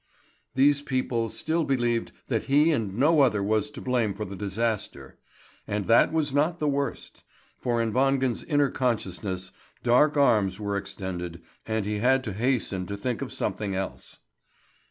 These people still believed that he and no other was to blame for the disaster. And that was not the worst; for in Wangen's inner consciousness, dark arms were extended, and he had to hasten to think of something else.